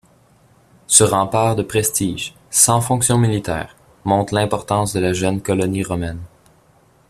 Ce rempart de prestige, sans fonction militaire, montre l'importance de la jeune colonie romaine.